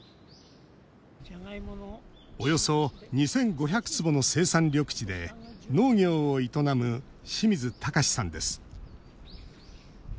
およそ２５００坪の生産緑地で農業を営む清水尊さんです。